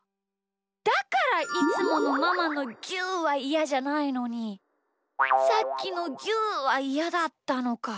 だからいつものママのぎゅうはイヤじゃないのにさっきのぎゅうはイヤだったのか。